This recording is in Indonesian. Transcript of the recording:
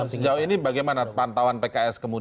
sejauh ini bagaimana pantauan pks